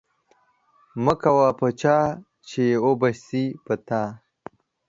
مکوه په چا چی و به سی په تا